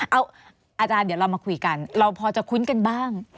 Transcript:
เอาอาจารย์เดี๋ยวเรามาคุยกันเราพอจะคุ้นกันบ้าง